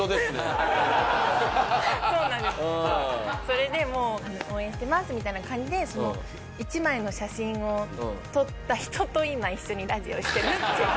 それでもう「応援してます」みたいな感じでその１枚の写真を撮った人と今一緒にラジオをしてるっていう。